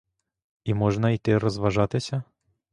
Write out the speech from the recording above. І можна йти розважатися?